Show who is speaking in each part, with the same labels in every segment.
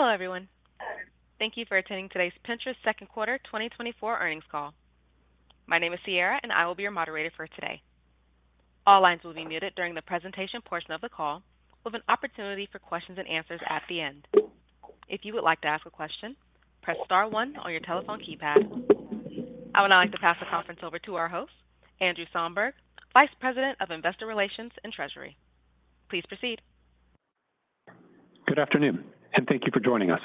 Speaker 1: Hello, everyone. Thank you for attending today's Pinterest second quarter 2024 earnings call. My name is Sierra, and I will be your moderator for today. All lines will be muted during the presentation portion of the call, with an opportunity for questions and answers at the end. If you would like to ask a question, press star one on your telephone keypad. I would now like to pass the conference over to our host, Andrew Somberg, Vice President of Investor Relations and Treasury. Please proceed.
Speaker 2: Good afternoon, and thank you for joining us.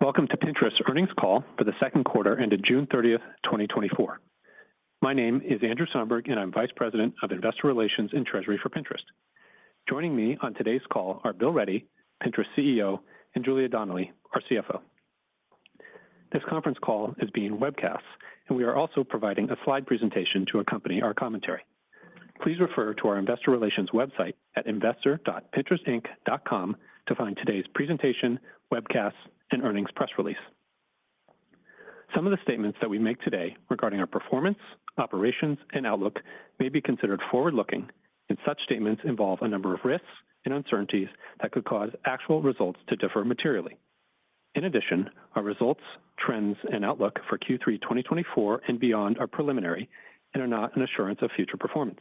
Speaker 2: Welcome to Pinterest's earnings call for the second quarter ended June 30th, 2024. My name is Andrew Somberg, and I'm Vice President of Investor Relations and Treasury for Pinterest. Joining me on today's call are Bill Ready, Pinterest's CEO, and Julia Donnelly, our CFO. This conference call is being webcast, and we are also providing a slide presentation to accompany our commentary. Please refer to our investor relations website at investor.pinterestinc.com to find today's presentation, webcast, and earnings press release. Some of the statements that we make today regarding our performance, operations, and outlook may be considered forward-looking, and such statements involve a number of risks and uncertainties that could cause actual results to differ materially. In addition, our results, trends, and outlook for Q3, 2024 and beyond are preliminary and are not an assurance of future performance.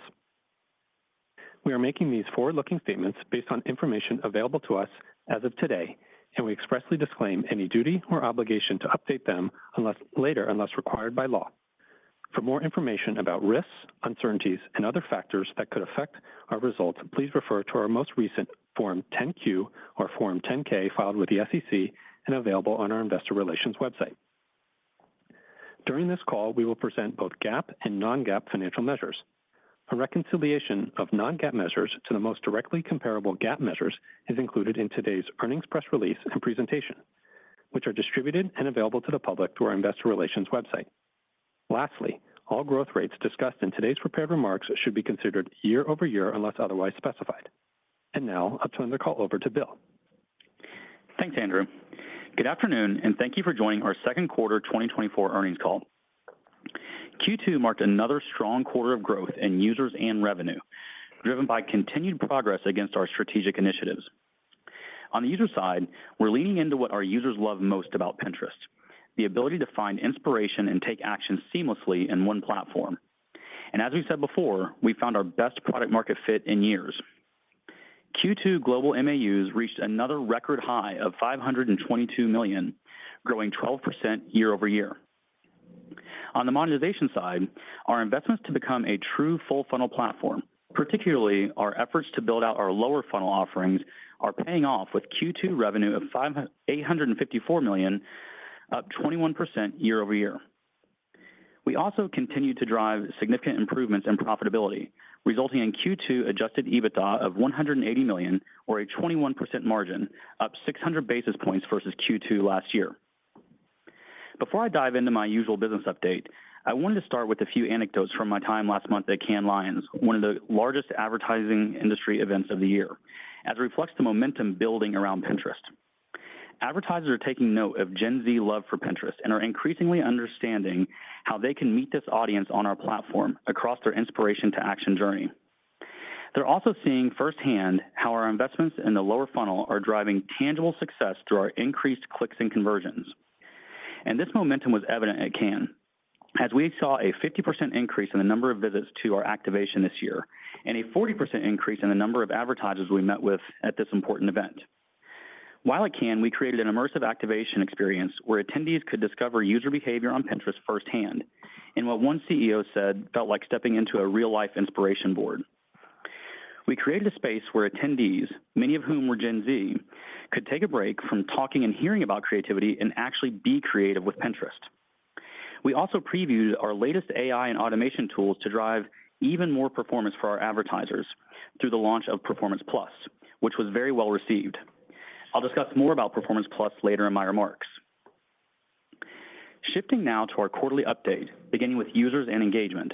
Speaker 2: We are making these forward-looking statements based on information available to us as of today, and we expressly disclaim any duty or obligation to update them unless required by law. For more information about risks, uncertainties, and other factors that could affect our results, please refer to our most recent Form 10-Q or Form 10-K filed with the SEC and available on our investor relations website. During this call, we will present both GAAP and non-GAAP financial measures. A reconciliation of non-GAAP measures to the most directly comparable GAAP measures is included in today's earnings press release and presentation, which are distributed and available to the public through our investor relations website. Lastly, all growth rates discussed in today's prepared remarks should be considered year-over-year, unless otherwise specified. Now I'll turn the call over to Bill.
Speaker 3: Thanks, Andrew. Good afternoon, and thank you for joining our second quarter 2024 earnings call. Q2 marked another strong quarter of growth in users and revenue, driven by continued progress against our strategic initiatives. On the user side, we're leaning into what our users love most about Pinterest, the ability to find inspiration and take action seamlessly in one platform. As we've said before, we found our best product market fit in years. Q2 global MAUs reached another record high of 522 million, growing 12% year-over-year. On the monetization side, our investments to become a true full funnel platform, particularly our efforts to build out our lower funnel offerings, are paying off with Q2 revenue of $854 million, up 21% year-over-year. We also continued to drive significant improvements in profitability, resulting in Q2 adjusted EBITDA of $180 million, or a 21% margin, up 600 basis points versus Q2 last year. Before I dive into my usual business update, I wanted to start with a few anecdotes from my time last month at Cannes Lions, one of the largest advertising industry events of the year, as it reflects the momentum building around Pinterest. Advertisers are taking note of Gen Z love for Pinterest and are increasingly understanding how they can meet this audience on our platform across their inspiration to action journey. They're also seeing firsthand how our investments in the lower funnel are driving tangible success through our increased clicks and conversions. This momentum was evident at Cannes, as we saw a 50% increase in the number of visits to our activation this year, and a 40% increase in the number of advertisers we met with at this important event. While at Cannes, we created an immersive activation experience where attendees could discover user behavior on Pinterest firsthand, and what one CEO said felt like stepping into a real-life inspiration Board. We created a space where attendees, many of whom were Gen Z, could take a break from talking and hearing about creativity and actually be creative with Pinterest. We also previewed our latest AI and automation tools to drive even more performance for our advertisers through the launch of Performance+, which was very well received. I'll discuss more about Performance+ later in my remarks. Shifting now to our quarterly update, beginning with users and engagement.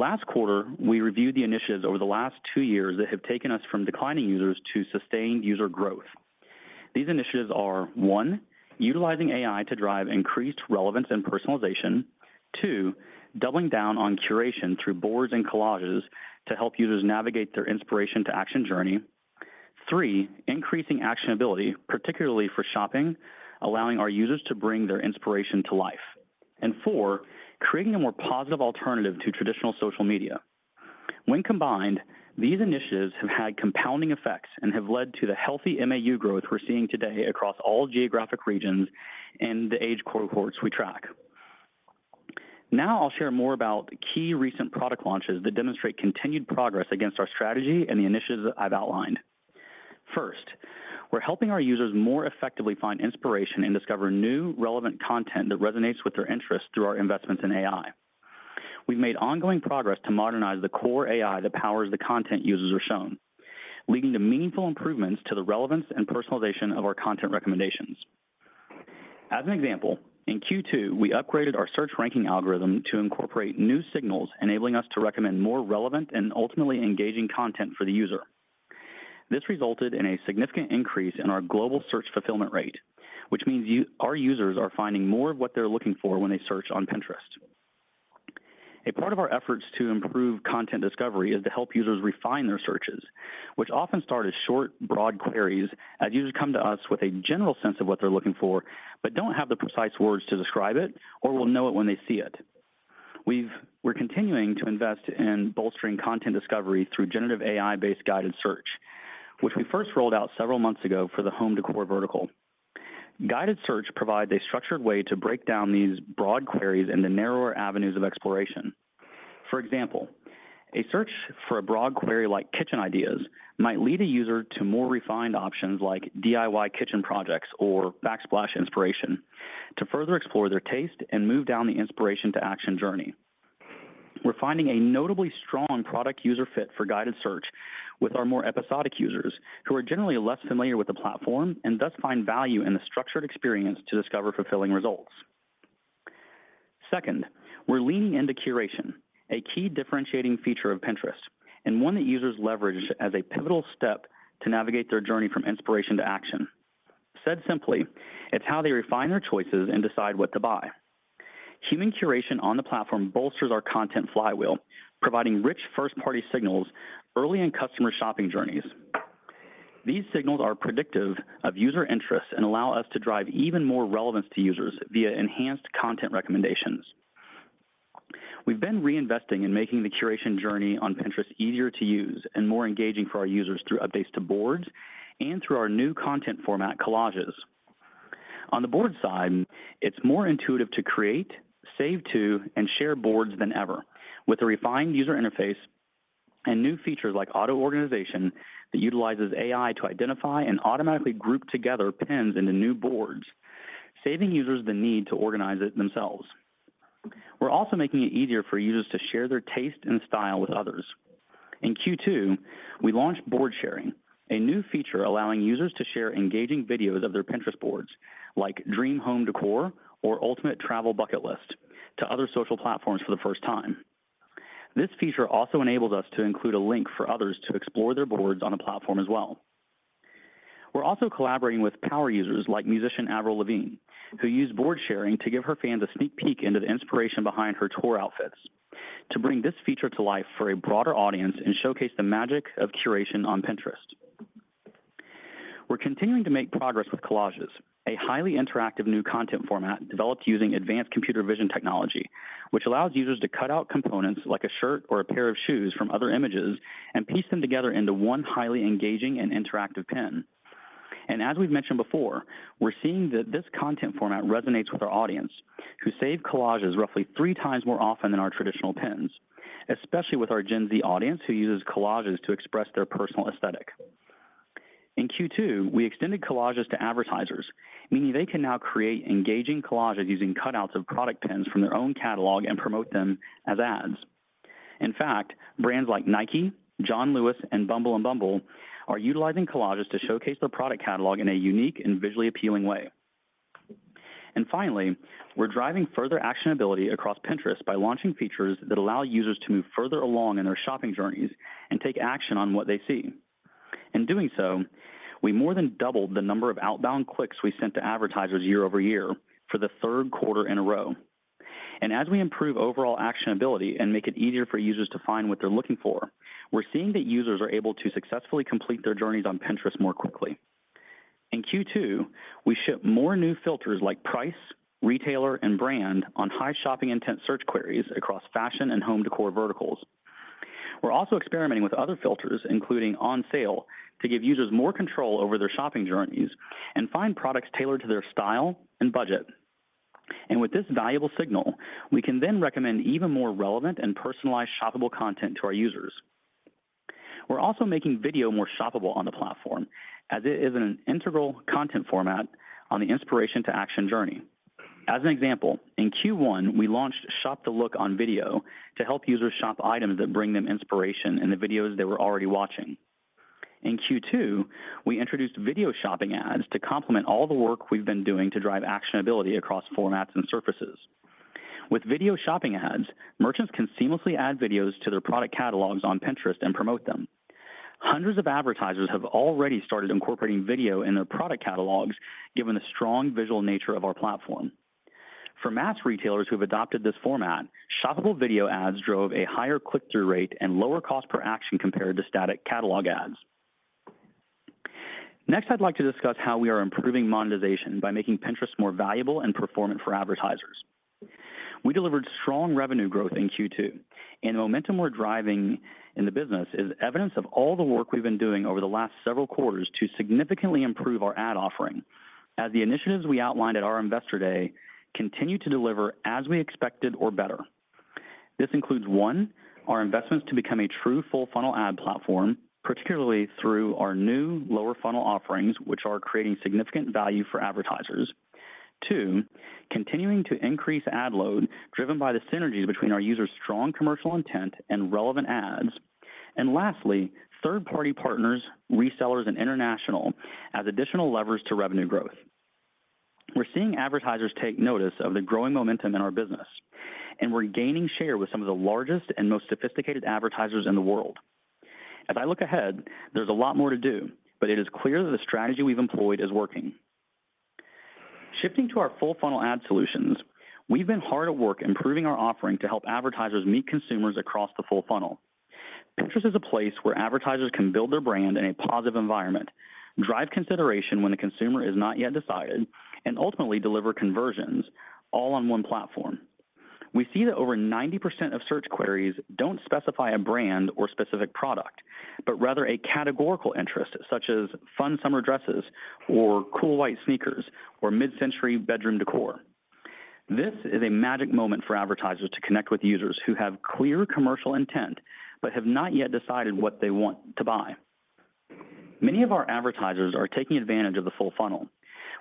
Speaker 3: Last quarter, we reviewed the initiatives over the last two years that have taken us from declining users to sustained user growth. These initiatives are: one, utilizing AI to drive increased relevance and personalization. Two, doubling down on curation through Boards and Collages to help users navigate their inspiration-to-action journey. Three, increasing actionability, particularly for shopping, allowing our users to bring their inspiration to life. And four, creating a more positive alternative to traditional social media. When combined, these initiatives have had compounding effects and have led to the healthy MAU growth we're seeing today across all geographic regions and the age cohorts we track. Now I'll share more about key recent product launches that demonstrate continued progress against our strategy and the initiatives that I've outlined. First, we're helping our users more effectively find inspiration and discover new, relevant content that resonates with their interests through our investments in AI. We've made ongoing progress to modernize the core AI that powers the content users are shown, leading to meaningful improvements to the relevance and personalization of our content recommendations. As an example, in Q2, we upgraded our search ranking algorithm to incorporate new signals, enabling us to recommend more relevant and ultimately engaging content for the user. This resulted in a significant increase in our global search fulfillment rate, which means our users are finding more of what they're looking for when they search on Pinterest... A part of our efforts to improve content discovery is to help users refine their searches, which often start as short, broad queries, as users come to us with a general sense of what they're looking for, but don't have the precise words to describe it, or will know it when they see it. We're continuing to invest in bolstering content discovery through Generative AI-based Guided Search, which we first rolled out several months ago for the home decor vertical. Guided Search provides a structured way to break down these broad queries into narrower avenues of exploration. For example, a search for a broad query like "kitchen ideas" might lead a user to more refined options like "DIY kitchen projects" or "backsplash inspiration," to further explore their taste and move down the inspiration to action journey. We're finding a notably strong product-user fit for guided search with our more episodic users, who are generally less familiar with the platform and thus find value in the structured experience to discover fulfilling results. Second, we're leaning into curation, a key differentiating feature of Pinterest, and one that users leverage as a pivotal step to navigate their journey from inspiration to action. Said simply, it's how they refine their choices and decide what to buy. Human curation on the platform bolsters our content flywheel, providing rich first-party signals early in customer shopping journeys. These signals are predictive of user interests and allow us to drive even more relevance to users via enhanced content recommendations. We've been reinvesting in making the curation journey on Pinterest easier to use and more engaging for our users through updates to Boards and through our new content format, Collages. On the Board side, it's more intuitive to create, save to, and share Boards than ever, with a refined user interface and new features like Auto-organization that utilizes AI to identify and automatically group together pins into new Boards, saving users the need to organize it themselves. We're also making it easier for users to share their taste and style with others. In Q2, we launched Board Sharing, a new feature allowing users to share engaging videos of their Pinterest Boards, like Dream Home Decor or Ultimate Travel Bucket List, to other social platforms for the first time. This feature also enables us to include a link for others to explore their Boards on the platform as well. We're also collaborating with power users like musician Avril Lavigne, who used Board Sharing to give her fans a sneak peek into the inspiration behind her tour outfits, to bring this feature to life for a broader audience and showcase the magic of curation on Pinterest. We're continuing to make progress with Collages, a highly interactive new content format developed using advanced computer vision technology, which allows users to cut out components, like a shirt or a pair of shoes, from other images and piece them together into one highly engaging and interactive pin. And as we've mentioned before, we're seeing that this content format resonates with our audience, who save Collages roughly 3x more often than our traditional pins, especially with our Gen Z audience, who uses Collages to express their personal aesthetic. In Q2, we extended Collages to advertisers, meaning they can now create engaging Collages using cutouts of product pins from their own catalog and promote them as ads. In fact, brands like Nike, John Lewis, and Bumble and bumble are utilizing Collages to showcase their product catalog in a unique and visually appealing way. And finally, we're driving further actionability across Pinterest by launching features that allow users to move further along in their shopping journeys and take action on what they see. In doing so, we more than doubled the number of outbound clicks we sent to advertisers year-over-year for the third quarter in a row. And as we improve overall actionability and make it easier for users to find what they're looking for, we're seeing that users are able to successfully complete their journeys on Pinterest more quickly. In Q2, we shipped more new filters like price, retailer, and brand on high shopping intent search queries across fashion and home decor verticals. We're also experimenting with other filters, including on sale, to give users more control over their shopping journeys and find products tailored to their style and budget. And with this valuable signal, we can then recommend even more relevant and personalized shoppable content to our users. We're also making video more shoppable on the platform, as it is an integral content format on the Inspiration-to-Action journey. As an example, in Q1, we launched Shop the Look on video to help users shop items that bring them inspiration in the videos they were already watching. In Q2, we introduced Video Shopping Ads to complement all the work we've been doing to drive actionability across formats and surfaces. With video shopping ads, merchants can seamlessly add videos to their product catalogs on Pinterest and promote them. Hundreds of advertisers have already started incorporating video in their product catalogs, given the strong visual nature of our platform. For mass retailers who have adopted this format, shoppable video ads drove a higher click-through rate and lower cost per action compared to static catalog ads. Next, I'd like to discuss how we are improving monetization by making Pinterest more valuable and performant for advertisers. We delivered strong revenue growth in Q2, and the momentum we're driving in the business is evidence of all the work we've been doing over the last several quarters to significantly improve our ad offering, as the initiatives we outlined at our Investor Day continue to deliver as we expected or better. This includes, one, our investments to become a true full-funnel ad platform, particularly through our new lower funnel offerings, which are creating significant value for advertisers. Two, continuing to increase ad load, driven by the synergies between our users' strong commercial intent and relevant ads. And lastly, third-party partners, resellers, and international as additional levers to revenue growth. We're seeing advertisers take notice of the growing momentum in our business, and we're gaining share with some of the largest and most sophisticated advertisers in the world. As I look ahead, there's a lot more to do, but it is clear that the strategy we've employed is working. Shifting to our full funnel ad solutions, we've been hard at work improving our offering to help advertisers meet consumers across the full funnel. Pinterest is a place where advertisers can build their brand in a positive environment, drive consideration when the consumer is not yet decided, and ultimately deliver conversions all on one platform. We see that over 90% of search queries don't specify a brand or specific product, but rather a categorical interest, such as fun summer dresses or cool white sneakers, or mid-century bedroom decor. This is a magic moment for advertisers to connect with users who have clear commercial intent but have not yet decided what they want to buy. Many of our advertisers are taking advantage of the full funnel,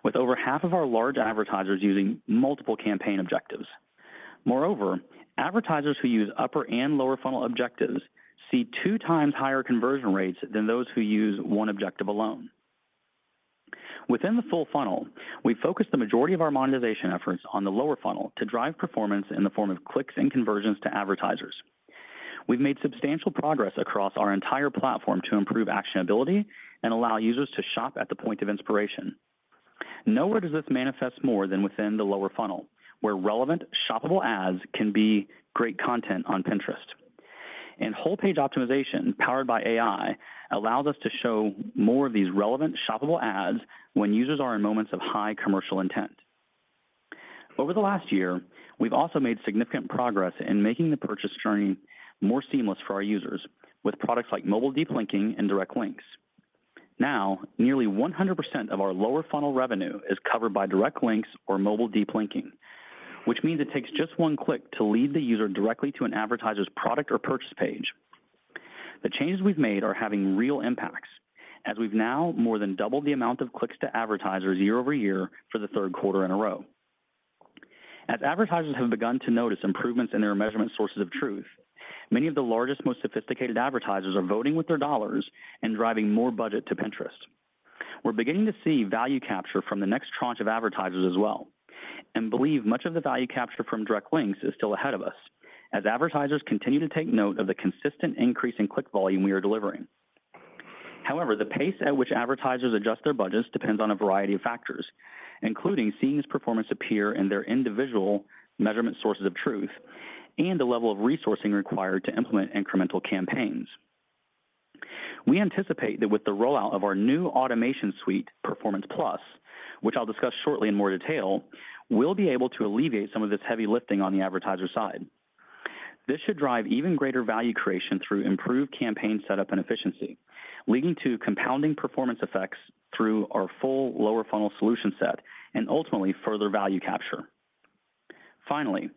Speaker 3: with over half of our large advertisers using multiple campaign objectives. Moreover, advertisers who use upper and lower funnel objectives see two times higher conversion rates than those who use one objective alone. Within the full funnel, we focus the majority of our monetization efforts on the lower funnel to drive performance in the form of clicks and conversions to advertisers. We've made substantial progress across our entire platform to improve actionability and allow users to shop at the point of inspiration. Nowhere does this manifest more than within the lower funnel, where relevant, shoppable ads can be great content on Pinterest. Whole Page Optimization, powered by AI, allows us to show more of these relevant, shoppable ads when users are in moments of high commercial intent. Over the last year, we've also made significant progress in making the purchase journey more seamless for our users, with products like Mobile Deep Linking and Direct Links. Now, nearly 100% of our lower funnel revenue is covered by Direct Links or Mobile Deep Linking, which means it takes just one click to lead the user directly to an advertiser's product or purchase page. The changes we've made are having real impacts, as we've now more than doubled the amount of clicks to advertisers year-over-year for the third quarter in a row. As advertisers have begun to notice improvements in their measurement sources of truth, many of the largest, most sophisticated advertisers are voting with their dollars and driving more budget to Pinterest. We're beginning to see value capture from the next tranche of advertisers as well, and believe much of the value capture from Direct Links is still ahead of us, as advertisers continue to take note of the consistent increase in click volume we are delivering. However, the pace at which advertisers adjust their budgets depends on a variety of factors, including seeing this performance appear in their individual measurement sources of truth and the level of resourcing required to implement incremental campaigns. We anticipate that with the rollout of our new automation suite, Performance+, which I'll discuss shortly in more detail, we'll be able to alleviate some of this heavy lifting on the advertiser side. This should drive even greater value creation through improved campaign setup and efficiency, leading to compounding performance effects through our full lower funnel solution set and ultimately further value capture. Finally,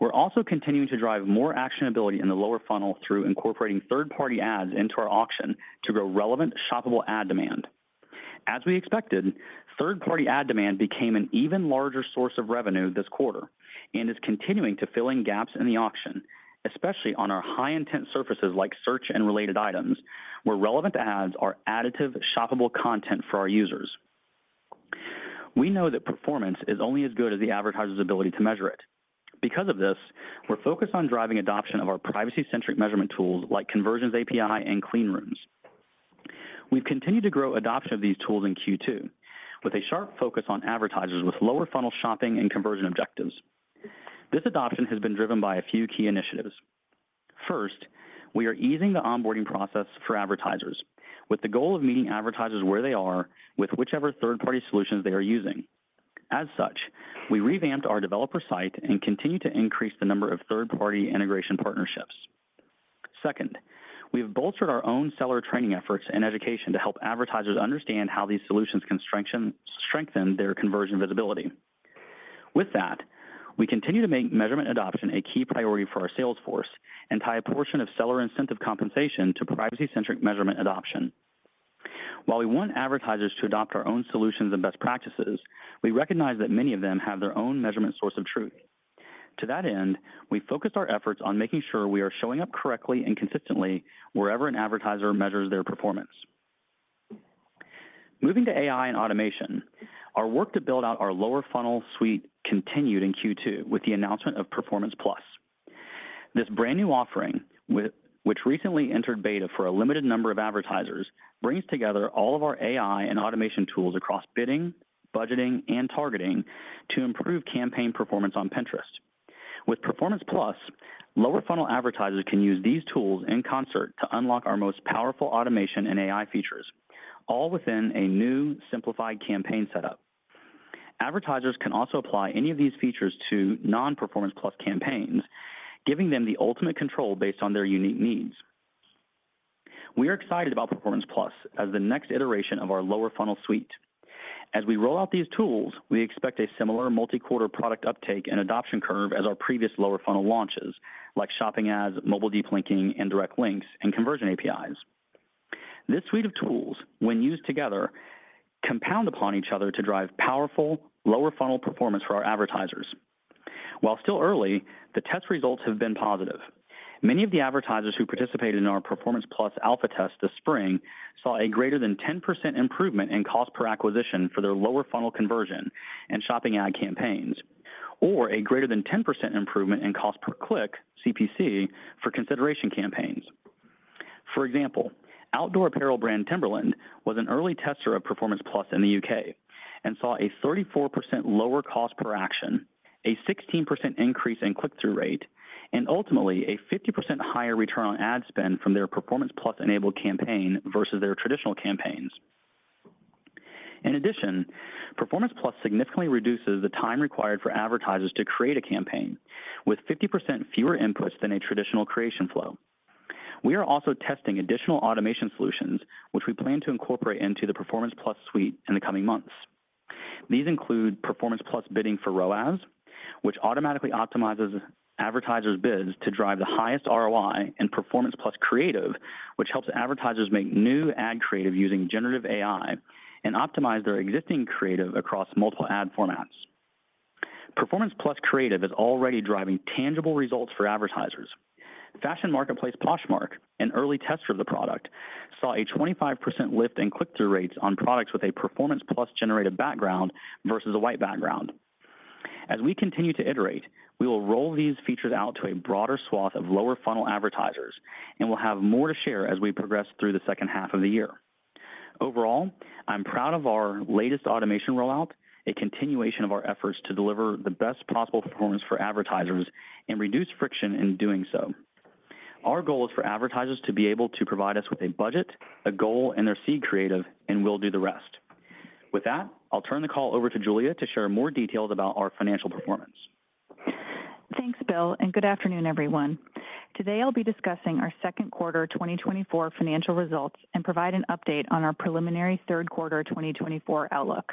Speaker 3: we're also continuing to drive more actionability in the lower funnel through incorporating third-party ads into our auction to grow relevant, shoppable ad demand. As we expected, third-party ad demand became an even larger source of revenue this quarter and is continuing to fill in gaps in the auction, especially on our high intent surfaces like search and related items, where relevant ads are additive, shoppable content for our users. We know that performance is only as good as the advertiser's ability to measure it. Because of this, we're focused on driving adoption of our privacy-centric measurement tools like Conversions API and Clean Rooms. We've continued to grow adoption of these tools in Q2 with a sharp focus on advertisers with lower funnel shopping and conversion objectives. This adoption has been driven by a few key initiatives. First, we are easing the onboarding process for advertisers with the goal of meeting advertisers where they are with whichever third-party solutions they are using. As such, we revamped our developer site and continue to increase the number of third-party integration partnerships. Second, we have bolstered our own seller training efforts and education to help advertisers understand how these solutions can strengthen their conversion visibility. With that, we continue to make measurement adoption a key priority for our sales force and tie a portion of seller incentive compensation to privacy-centric measurement adoption. While we want advertisers to adopt our own solutions and best practices, we recognize that many of them have their own measurement source of truth. To that end, we focus our efforts on making sure we are showing up correctly and consistently wherever an advertiser measures their performance. Moving to AI and automation, our work to build out our lower funnel suite continued in Q2 with the announcement of Performance+. This brand-new offering, which recently entered beta for a limited number of advertisers, brings together all of our AI and automation tools across bidding, budgeting, and targeting to improve campaign performance on Pinterest. With Performance+, lower funnel advertisers can use these tools in concert to unlock our most powerful automation and AI features, all within a new, simplified campaign setup. Advertisers can also apply any of these features to non-Performance+ campaigns, giving them the ultimate control based on their unique needs. We are excited about Performance+ as the next iteration of our lower funnel suite. As we roll out these tools, we expect a similar multi-quarter product uptake and adoption curve as our previous lower funnel launches, like Shopping Ads, Mobile Deep Linking, and Direct Links, and Conversion APIs. This suite of tools, when used together, compound upon each other to drive powerful lower funnel performance for our advertisers. While still early, the test results have been positive. Many of the advertisers who participated in our Performance+ alpha test this spring saw a greater than 10% improvement in cost per acquisition for their lower funnel conversion and shopping ad campaigns, or a greater than 10% improvement in cost per click, CPC, for consideration campaigns. For example, outdoor apparel brand Timberland was an early tester of Performance+ in the UK and saw a 34% lower cost per action, a 16% increase in click-through rate, and ultimately a 50% higher return on ad spend from their Performance+-enabled campaign versus their traditional campaigns. In addition, Performance+ significantly reduces the time required for advertisers to create a campaign, with 50% fewer inputs than a traditional creation flow. We are also testing additional automation solutions, which we plan to incorporate into the Performance+ suite in the coming months. These include Performance+ ROAS bidding, which automatically optimizes advertisers' bids to drive the highest ROI, and Performance+ Creative, which helps advertisers make new ad creative using generative AI and optimize their existing creative across multiple ad formats. Performance+ Creative is already driving tangible results for advertisers. Fashion marketplace Poshmark, an early tester of the product, saw a 25% lift in click-through rates on products with a Performance+-generated background versus a white background. As we continue to iterate, we will roll these features out to a broader swath of lower funnel advertisers, and we'll have more to share as we progress through the second half of the year. Overall, I'm proud of our latest automation rollout, a continuation of our efforts to deliver the best possible performance for advertisers and reduce friction in doing so. Our goal is for advertisers to be able to provide us with a budget, a goal, and their seed creative, and we'll do the rest. With that, I'll turn the call over to Julia to share more details about our financial performance.
Speaker 4: Thanks, Bill, and good afternoon, everyone. Today, I'll be discussing our second quarter 2024 financial results and provide an update on our preliminary third quarter 2024 outlook.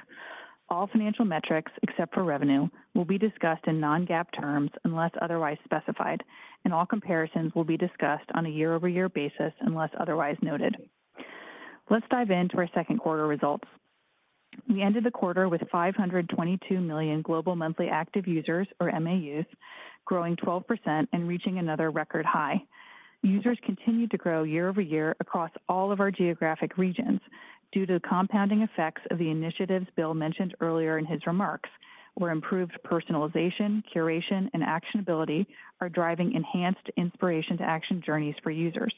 Speaker 4: All financial metrics, except for revenue, will be discussed in non-GAAP terms, unless otherwise specified, and all comparisons will be discussed on a year-over-year basis, unless otherwise noted. Let's dive into our second quarter results. We ended the quarter with 522 million global monthly active users, or MAUs, growing 12% and reaching another record high. Users continued to grow year-over-year across all of our geographic regions due to the compounding effects of the initiatives Bill mentioned earlier in his remarks, where improved personalization, curation, and actionability are driving enhanced inspiration to action journeys for users.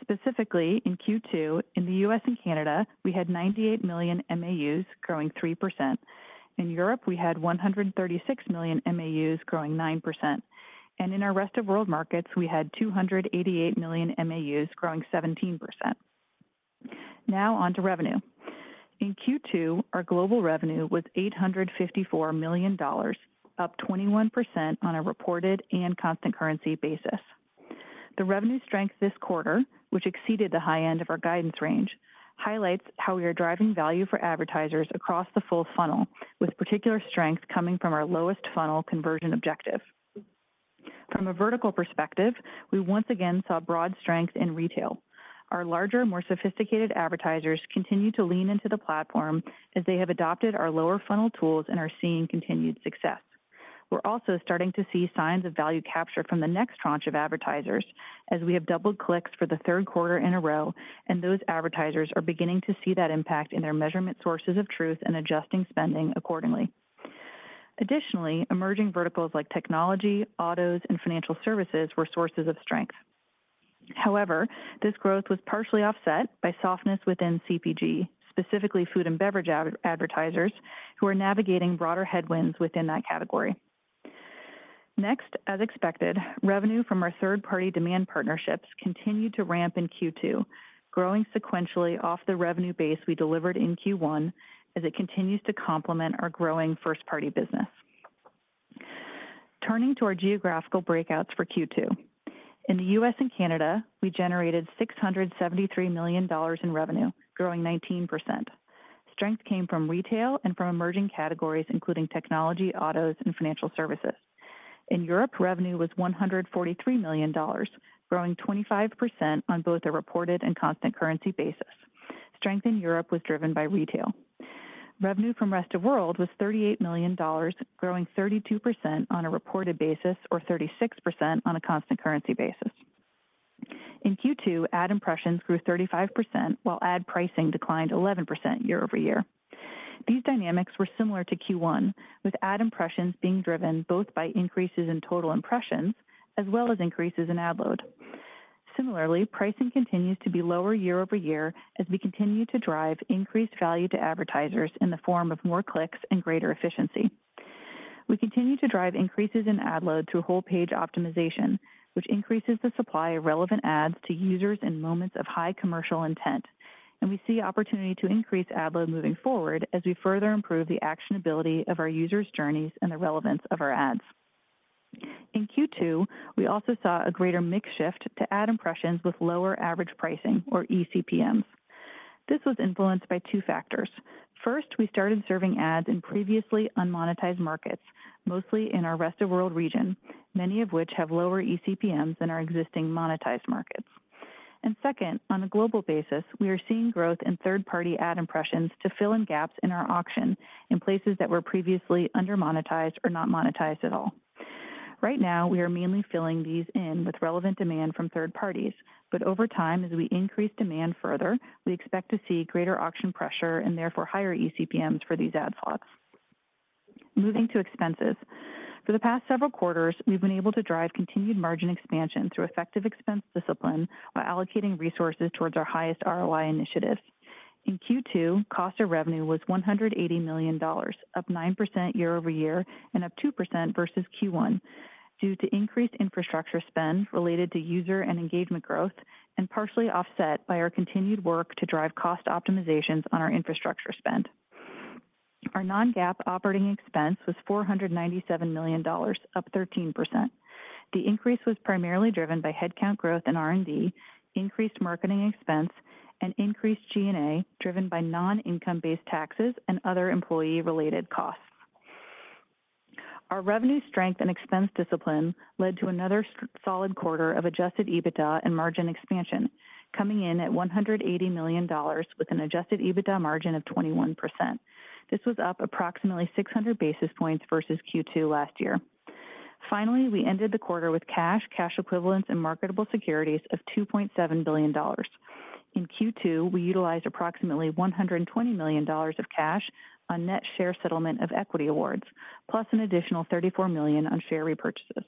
Speaker 4: Specifically, in Q2, in the US and Canada, we had 98 million MAUs, growing 3%. In Europe, we had 136 million MAUs, growing 9%. In our Rest of World markets, we had 288 million MAUs, growing 17%. Now on to revenue. In Q2, our global revenue was $854 million, up 21% on a reported and constant currency basis. The revenue strength this quarter, which exceeded the high end of our guidance range, highlights how we are driving value for advertisers across the full funnel, with particular strength coming from our lower funnel conversion objective. From a vertical perspective, we once again saw broad strength in retail. Our larger, more sophisticated advertisers continue to lean into the platform as they have adopted our lower funnel tools and are seeing continued success. We're also starting to see signs of value capture from the next tranche of advertisers, as we have doubled clicks for the third quarter in a row, and those advertisers are beginning to see that impact in their measurement sources of truth and adjusting spending accordingly. Additionally, emerging verticals like technology, autos, and financial services were sources of strength. However, this growth was partially offset by softness within CPG, specifically food and beverage advertisers, who are navigating broader headwinds within that category. Next, as expected, revenue from our third-party demand partnerships continued to ramp in Q2, growing sequentially off the revenue base we delivered in Q1 as it continues to complement our growing first-party business. Turning to our geographical breakouts for Q2. In the U.S. and Canada, we generated $673 million in revenue, growing 19%. Strength came from retail and from emerging categories, including technology, autos, and financial services. In Europe, revenue was $143 million, growing 25% on both a reported and constant currency basis. Strength in Europe was driven by retail. Revenue from rest of world was $38 million, growing 32% on a reported basis, or 36% on a constant currency basis. In Q2, ad impressions grew 35%, while ad pricing declined 11% year-over-year. These dynamics were similar to Q1, with ad impressions being driven both by increases in total impressions as well as increases in ad load. Similarly, pricing continues to be lower year-over-year as we continue to drive increased value to advertisers in the form of more clicks and greater efficiency. We continue to drive increases in ad load through Whole page optimization, which increases the supply of relevant ads to users in moments of high commercial intent, and we see opportunity to increase ad load moving forward as we further improve the actionability of our users' journeys and the relevance of our ads. In Q2, we also saw a greater mix shift to ad impressions with lower average pricing, or eCPMs. This was influenced by two factors. First, we started serving ads in previously unmonetized markets, mostly in our Rest of World region, many of which have lower eCPMs than our existing monetized markets. And second, on a global basis, we are seeing growth in third-party ad impressions to fill in gaps in our auction in places that were previously under-monetized or not monetized at all. Right now, we are mainly filling these in with relevant demand from third parties, but over time, as we increase demand further, we expect to see greater auction pressure and therefore higher eCPMs for these ad slots. Moving to expenses. For the past several quarters, we've been able to drive continued margin expansion through effective expense discipline by allocating resources towards our highest ROI initiatives. In Q2, cost of revenue was $180 million, up 9% year over year, and up 2% versus Q1, due to increased infrastructure spend related to user and engagement growth, and partially offset by our continued work to drive cost optimizations on our infrastructure spend. Our Non-GAAP operating expense was $497 million, up 13%. The increase was primarily driven by headcount growth in R&D, increased marketing expense, and increased G&A, driven by non-income-based taxes and other employee-related costs. Our revenue strength and expense discipline led to another solid quarter of Adjusted EBITDA and margin expansion, coming in at $180 million with an Adjusted EBITDA margin of 21%. This was up approximately 600 basis points versus Q2 last year. Finally, we ended the quarter with cash, cash equivalents, and marketable securities of $2.7 billion. In Q2, we utilized approximately $120 million of cash on net share settlement of equity awards, plus an additional $34 million on share repurchases.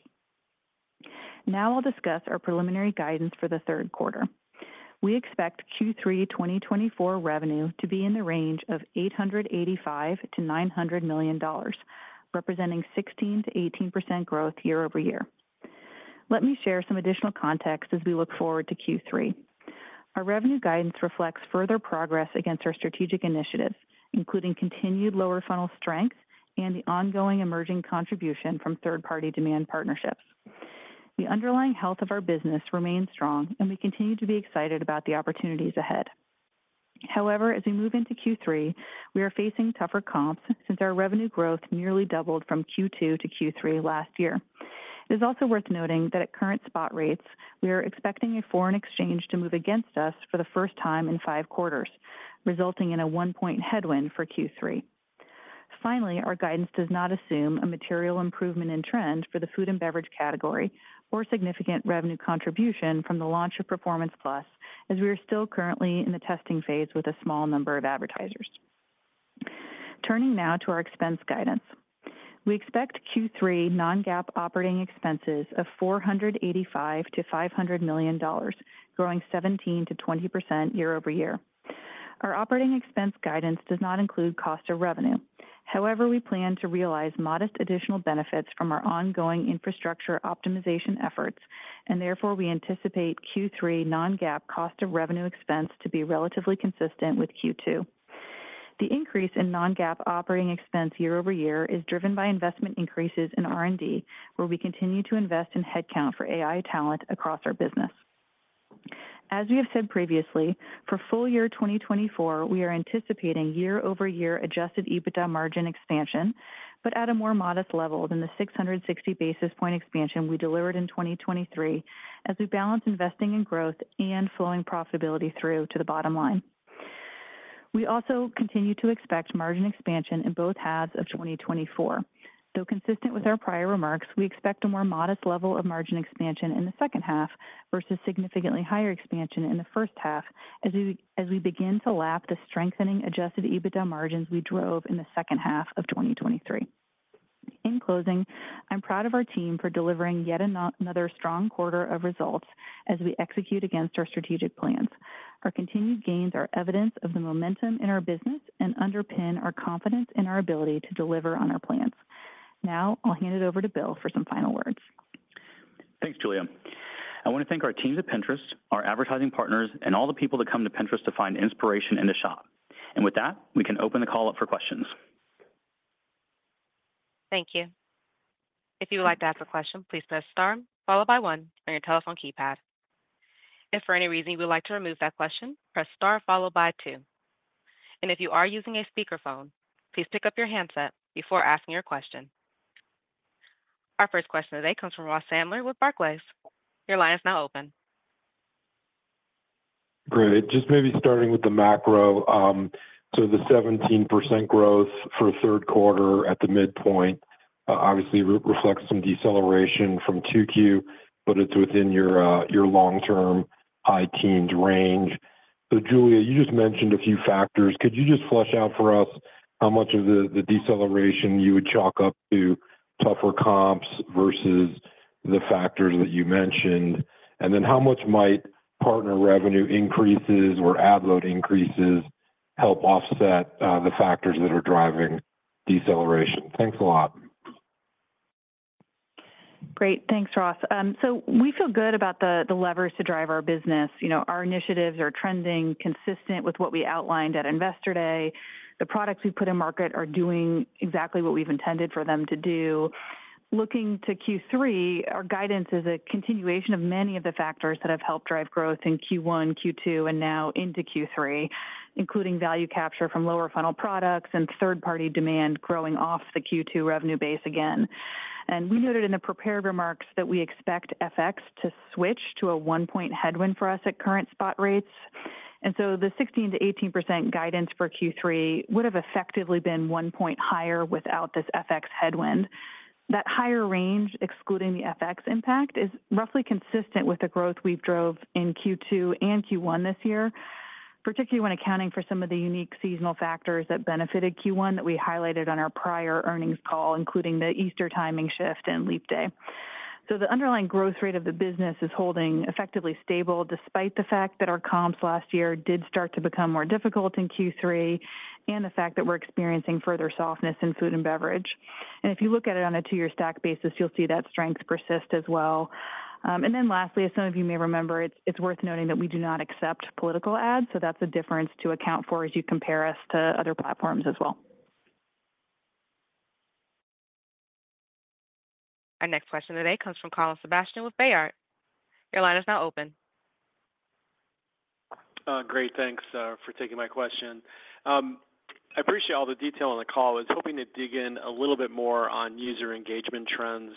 Speaker 4: Now I'll discuss our preliminary guidance for the third quarter. We expect Q3 2024 revenue to be in the range of $885 million-$900 million, representing 16%-18% growth year-over-year. Let me share some additional context as we look forward to Q3. Our revenue guidance reflects further progress against our strategic initiatives, including continued lower funnel strength and the ongoing emerging contribution from third-party demand partnerships. The underlying health of our business remains strong, and we continue to be excited about the opportunities ahead. However, as we move into Q3, we are facing tougher comps since our revenue growth nearly doubled from Q2 to Q3 last year. It is also worth noting that at current spot rates, we are expecting a foreign exchange to move against us for the first time in 5 quarters, resulting in a 1-point headwind for Q3. Finally, our guidance does not assume a material improvement in trend for the food and beverage category or significant revenue contribution from the launch of Performance+, as we are still currently in the testing phase with a small number of advertisers. Turning now to our expense guidance. We expect Q3 non-GAAP operating expenses of $485 million-$500 million, growing 17%-20% year over year. Our operating expense guidance does not include cost of revenue. However, we plan to realize modest additional benefits from our ongoing infrastructure optimization efforts, and therefore we anticipate Q3 non-GAAP cost of revenue expense to be relatively consistent with Q2. The increase in non-GAAP operating expense year over year is driven by investment increases in R&D, where we continue to invest in headcount for AI talent across our business. As we have said previously, for full year 2024, we are anticipating year-over-year Adjusted EBITDA margin expansion, but at a more modest level than the 660 basis point expansion we delivered in 2023, as we balance investing in growth and flowing profitability through to the bottom line. We also continue to expect margin expansion in both halves of 2024. Though consistent with our prior remarks, we expect a more modest level of margin expansion in the second half versus significantly higher expansion in the first half as we begin to lap the strengthening Adjusted EBITDA margins we drove in the second half of 2023. In closing, I'm proud of our team for delivering yet another strong quarter of results as we execute against our strategic plans. Our continued gains are evidence of the momentum in our business and underpin our confidence in our ability to deliver on our plans. Now, I'll hand it over to Bill for some final words.
Speaker 3: Thanks, Julia. I want to thank our teams at Pinterest, our advertising partners, and all the people that come to Pinterest to find inspiration in the shop. With that, we can open the call up for questions.
Speaker 1: Thank you. If you would like to ask a question, please press star followed by one on your telephone keypad. If for any reason you would like to remove that question, press star followed by two. And if you are using a speakerphone, please pick up your handset before asking your question. Our first question today comes from Ross Sandler with Barclays. Your line is now open.
Speaker 5: Great. Just maybe starting with the macro, so the 17% growth for third quarter at the midpoint, obviously reflects some deceleration from 2Q, but it's within your long-term high teens range. So Julia, you just mentioned a few factors. Could you just flesh out for us how much of the deceleration you would chalk up to tougher comps versus the factors that you mentioned? And then how much might partner revenue increases or ad load increases help offset the factors that are driving deceleration? Thanks a lot.
Speaker 4: Great. Thanks, Ross. So we feel good about the levers to drive our business. You know, our initiatives are trending consistent with what we outlined at Investor Day. The products we put in market are doing exactly what we've intended for them to do. Looking to Q3, our guidance is a continuation of many of the factors that have helped drive growth in Q1, Q2, and now into Q3, including value capture from lower funnel products and third-party demand growing off the Q2 revenue base again. We noted in the prepared remarks that we expect FX to switch to a 1-point headwind for us at current spot rates. So the 16%-18% guidance for Q3 would have effectively been 1 point higher without this FX headwind. That higher range, excluding the FX impact, is roughly consistent with the growth we've drove in Q2 and Q1 this year, particularly when accounting for some of the unique seasonal factors that benefited Q1 that we highlighted on our prior earnings call, including the Easter timing shift and leap day. So the underlying growth rate of the business is holding effectively stable, despite the fact that our comps last year did start to become more difficult in Q3, and the fact that we're experiencing further softness in food and beverage. And if you look at it on a two-year stack basis, you'll see that strength persist as well. And then lastly, as some of you may remember, it's worth noting that we do not accept political ads, so that's a difference to account for as you compare us to other platforms as well.
Speaker 1: Our next question today comes from Colin Sebastian with Baird. Your line is now open.
Speaker 6: Great, thanks, for taking my question. I appreciate all the detail on the call. I was hoping to dig in a little bit more on user engagement trends,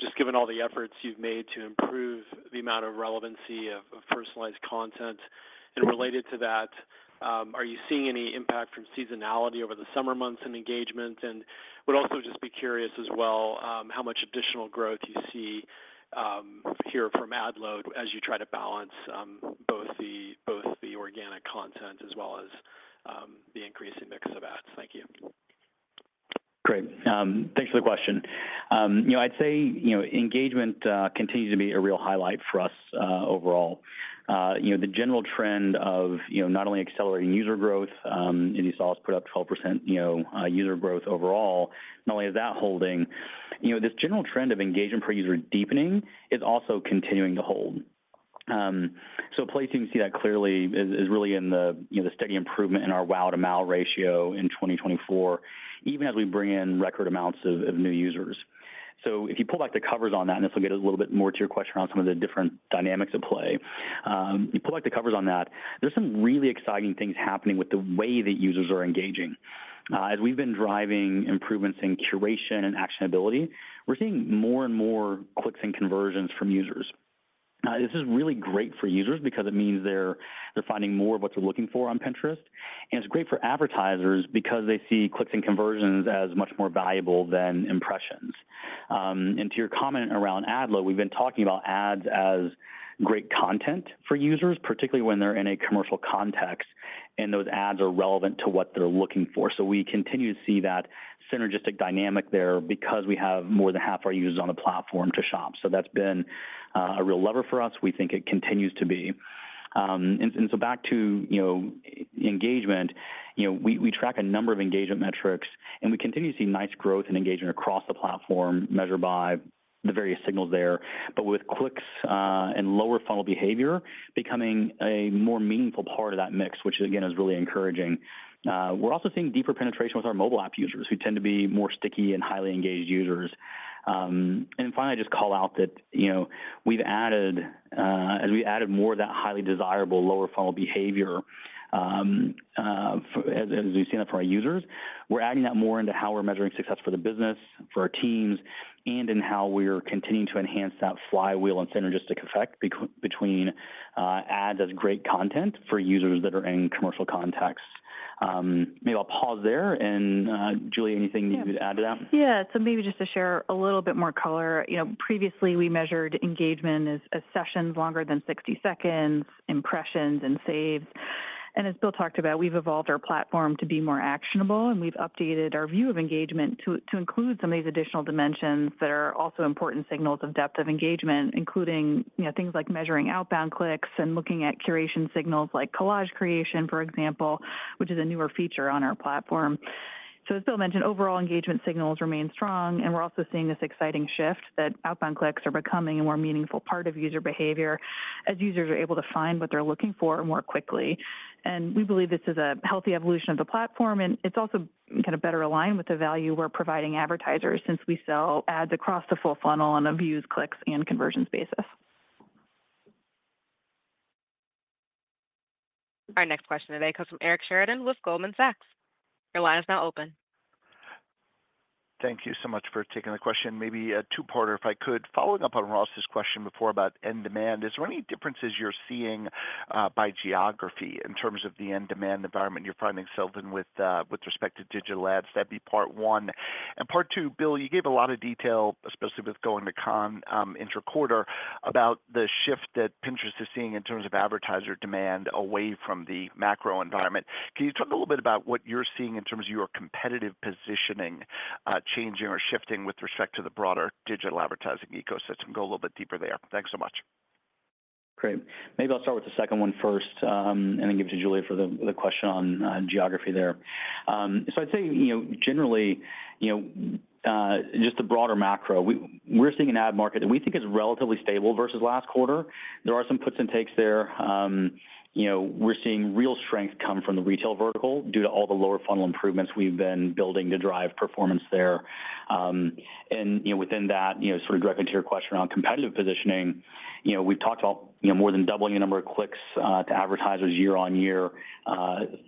Speaker 6: just given all the efforts you've made to improve the amount of relevancy of, of personalized content. And related to that, are you seeing any impact from seasonality over the summer months in engagement? And would also just be curious as well, how much additional growth you see, here from ad load as you try to balance, both the organic content as well as, the increasing mix of ads? Thank you.
Speaker 3: Great. Thanks for the question. You know, I'd say, you know, engagement continues to be a real highlight for us, overall. You know, the general trend of, you know, not only accelerating user growth, and you saw us put up 12%, you know, user growth overall, not only is that holding, you know, this general trend of engagement per user deepening is also continuing to hold. So a place you can see that clearly is really in the, you know, the steady improvement in our WAU to MAU ratio in 2024, even as we bring in record amounts of new users. So if you pull back the covers on that, and this will get a little bit more to your question around some of the different dynamics at play, there's some really exciting things happening with the way that users are engaging. As we've been driving improvements in curation and actionability, we're seeing more and more clicks and conversions from users. This is really great for users because it means they're finding more of what they're looking for on Pinterest, and it's great for advertisers because they see clicks and conversions as much more valuable than impressions. And to your comment around ad load, we've been talking about ads as great content for users, particularly when they're in a commercial context, and those ads are relevant to what they're looking for. So we continue to see that synergistic dynamic there because we have more than half our users on the platform to shop. So that's been a real lever for us. We think it continues to be. And so back to, you know, engagement, you know, we track a number of engagement metrics, and we continue to see nice growth in engagement across the platform, measured by the various signals there. But with clicks and lower funnel behavior becoming a more meaningful part of that mix, which again, is really encouraging. We're also seeing deeper penetration with our mobile app users, who tend to be more sticky and highly engaged users. And finally, just call out that, you know, we've added... as we added more of that highly desirable lower funnel behavior, as we've seen that for our users, we're adding that more into how we're measuring success for the business, for our teams, and in how we are continuing to enhance that flywheel and synergistic effect between ads as great content for users that are in commercial contexts. Maybe I'll pause there, and, Julia, anything you would add to that?
Speaker 4: Yeah. So maybe just to share a little bit more color. You know, previously, we measured engagement as, as sessions longer than 60 seconds, impressions, and saves. And as Bill talked about, we've evolved our platform to be more actionable, and we've updated our view of engagement to, to include some of these additional dimensions that are also important signals of depth of engagement, including, you know, things like measuring outbound clicks and looking at curation signals like Collage Creation, for example, which is a newer feature on our platform. So as Bill mentioned, overall engagement signals remain strong, and we're also seeing this exciting shift that outbound clicks are becoming a more meaningful part of user behavior as users are able to find what they're looking for more quickly. We believe this is a healthy evolution of the platform, and it's also kind of better aligned with the value we're providing advertisers since we sell ads across the full funnel on a views, clicks, and conversions basis.
Speaker 1: Our next question today comes from Eric Sheridan with Goldman Sachs. Your line is now open.
Speaker 7: Thank you so much for taking the question. Maybe a two-parter, if I could. Following up on Ross's question before about end demand, is there any differences you're seeing by geography in terms of the end demand environment you're finding yourselves in, with respect to digital ads? That'd be part one. And part two, Bill, you gave a lot of detail, especially with going to Con inter quarter, about the shift that Pinterest is seeing in terms of advertiser demand away from the macro environment. Can you talk a little bit about what you're seeing in terms of your competitive positioning changing or shifting with respect to the broader digital advertising ecosystem? Go a little bit deeper there. Thanks so much.
Speaker 3: Great. Maybe I'll start with the second one first, and then give it to Julia for the question on geography there. So I'd say, you know, generally, you know, just the broader macro, we're seeing an ad market that we think is relatively stable versus last quarter. There are some puts and takes there. You know, we're seeing real strength come from the retail vertical due to all the lower funnel improvements we've been building to drive performance there. And, you know, within that, you know, sort of directly to your question around competitive positioning, you know, we've talked about, you know, more than doubling the number of clicks to advertisers year-over-year,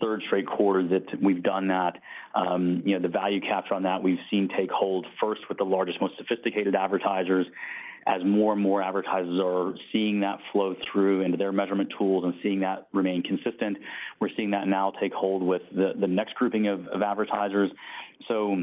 Speaker 3: third straight quarter that we've done that. You know, the value capture on that, we've seen take hold first with the largest, most sophisticated advertisers. As more and more advertisers are seeing that flow through into their measurement tools and seeing that remain consistent, we're seeing that now take hold with the next grouping of advertisers. So,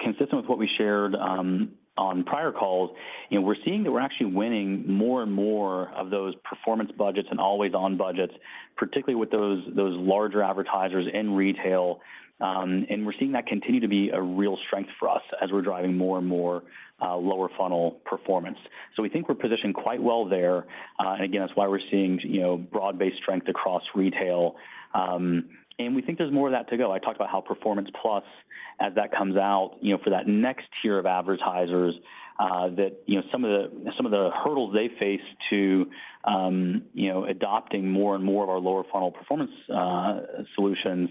Speaker 3: consistent with what we shared on prior calls, you know, we're seeing that we're actually winning more and more of those performance budgets and always on budgets, particularly with those larger advertisers in retail. And we're seeing that continue to be a real strength for us as we're driving more and more lower funnel performance. So we think we're positioned quite well there. And again, that's why we're seeing, you know, broad-based strength across retail. And we think there's more of that to go. I talked about how Performance+, as that comes out, you know, for that next tier of advertisers, that, you know, some of the, some of the hurdles they face to, you know, adopting more and more of our lower funnel performance solutions,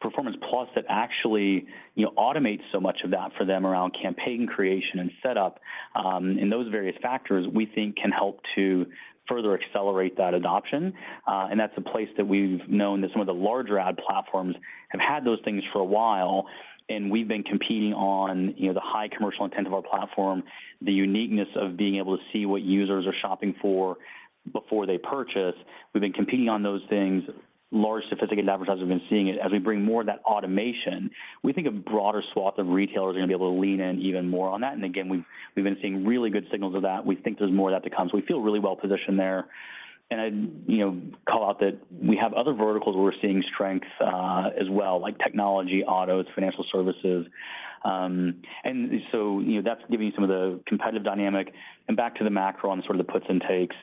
Speaker 3: Performance+, that actually, you know, automates so much of that for them around campaign creation and setup, and those various factors, we think can help to further accelerate that adoption. And that's a place that we've known that some of the larger ad platforms have had those things for a while, and we've been competing on, you know, the high commercial intent of our platform, the uniqueness of being able to see what users are shopping for before they purchase. We've been competing on those things. Large, sophisticated advertisers have been seeing it. As we bring more of that automation, we think a broader swath of retailers are gonna be able to lean in even more on that. And again, we've been seeing really good signals of that. We think there's more of that to come, so we feel really well positioned there. And I'd, you know, call out that we have other verticals where we're seeing strength, as well, like technology, autos, financial services. And so, you know, that's giving you some of the competitive dynamic. And back to the macro on sort of the puts and takes,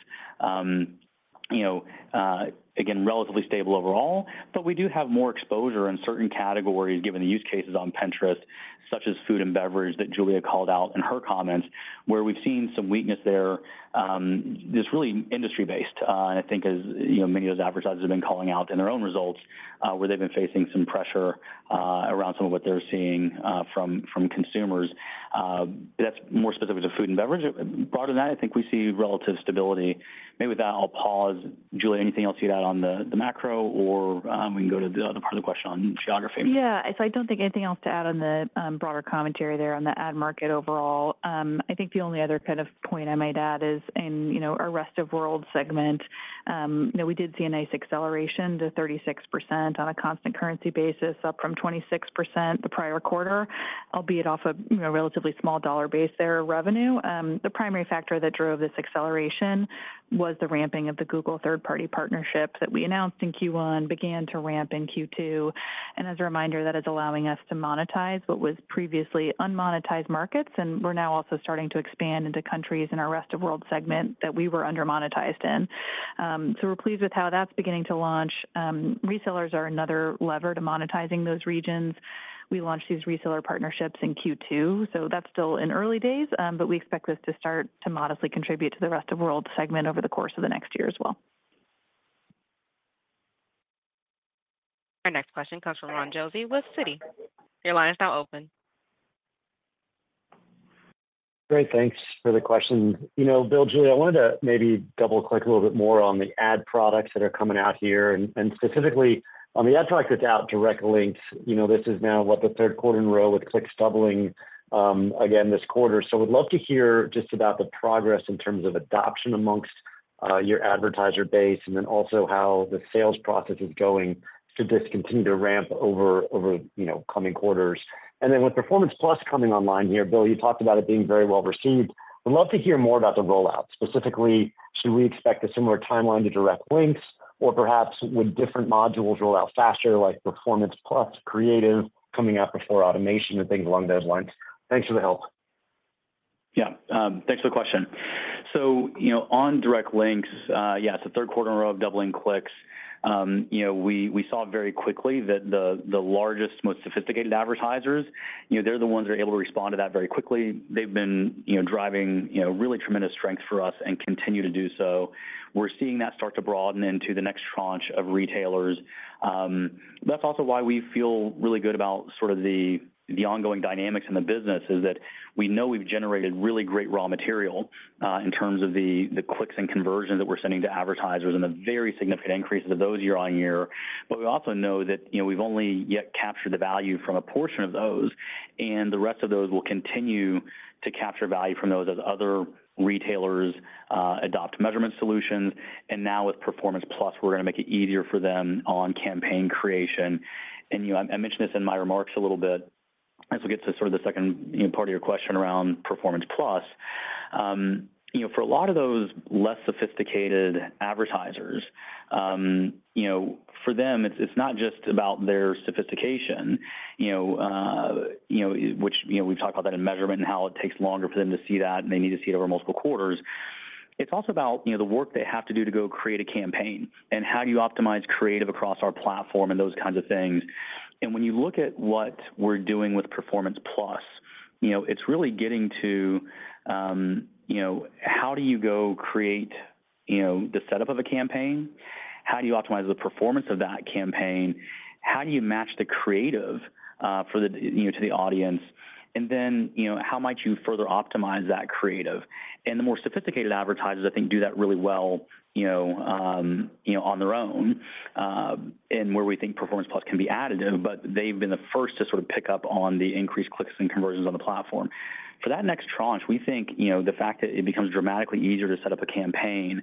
Speaker 3: again, relatively stable overall, but we do have more exposure in certain categories, given the use cases on Pinterest, such as food and beverage, that Julia called out in her comments, where we've seen some weakness there. It's really industry based, and I think as, you know, many of those advertisers have been calling out in their own results, where they've been facing some pressure, around some of what they're seeing, from consumers. That's more specific to food and beverage. Broader than that, I think we see relative stability. Maybe with that, I'll pause. Julia, anything else you'd add on the macro, or, we can go to the other part of the question on geography.
Speaker 4: Yeah. So I don't think anything else to add on the broader commentary there on the ad market overall. I think the only other kind of point I might add is in, you know, our rest of world segment, you know, we did see a nice acceleration to 36% on a constant currency basis, up from 26% the prior quarter, albeit off a, you know, relatively small dollar base there revenue. The primary factor that drove this acceleration was the ramping of the Google third-party partnership that we announced in Q1, began to ramp in Q2, and as a reminder, that is allowing us to monetize what was previously unmonetized markets, and we're now also starting to expand into countries in our rest of world segment that we were undermonetized in. So we're pleased with how that's beginning to launch. Resellers are another lever to monetizing those regions. We launched these reseller partnerships in Q2, so that's still in early days, but we expect this to start to modestly contribute to the rest of world segment over the course of the next year as well.
Speaker 1: Our next question comes from Ron Josey with Citi. Your line is now open.
Speaker 8: Great, thanks for the question. You know, Bill, Julia, I wanted to maybe double-click a little bit more on the ad products that are coming out here, and, and specifically on the ad product that's out, Direct Links. You know, this is now, what, the third quarter in a row with clicks doubling, again, this quarter. So would love to hear just about the progress in terms of adoption amongst your advertiser base, and then also how the sales process is going should this continue to ramp over, over, you know, coming quarters. And then with Performance+ coming online here, Bill, you talked about it being very well received. I'd love to hear more about the rollout. Specifically, should we expect a similar timeline to Direct Links, or perhaps would different modules roll out faster, like Performance+ Creative coming out before automation and things along those lines? Thanks for the help.
Speaker 3: Yeah. Thanks for the question. So, you know, on Direct Links, yeah, it's the third quarter in a row of doubling clicks. You know, we saw very quickly that the largest, most sophisticated advertisers, you know, they're the ones that are able to respond to that very quickly. They've been driving really tremendous strength for us and continue to do so. We're seeing that start to broaden into the next tranche of retailers. That's also why we feel really good about sort of the ongoing dynamics in the business, is that we know we've generated really great raw material in terms of the clicks and conversions that we're sending to advertisers and the very significant increases of those year-on-year. But we also know that, you know, we've only yet captured the value from a portion of those, and the rest of those will continue to capture value from those as other retailers adopt measurement solutions. And now with Performance+, we're gonna make it easier for them on campaign creation. And, you know, I, I mentioned this in my remarks a little bit as we get to sort of the second, you know, part of your question around Performance+. You know, for a lot of those less sophisticated advertisers, you know, for them, it's, it's not just about their sophistication, you know, you know, we've talked about that in measurement and how it takes longer for them to see that, and they need to see it over multiple quarters. It's also about, you know, the work they have to do to go create a campaign and how do you optimize creative across our platform and those kinds of things. And when you look at what we're doing with Performance+, you know, it's really getting to, you know, how do you go create, you know, the setup of a campaign? How do you optimize the performance of that campaign? How do you match the creative, for the, you know, to the audience? And then, you know, how might you further optimize that creative? The more sophisticated advertisers, I think, do that really well, you know, you know, on their own, and where we think Performance+ can be additive, but they've been the first to sort of pick up on the increased clicks and conversions on the platform. For that next tranche, we think, you know, the fact that it becomes dramatically easier to set up a campaign,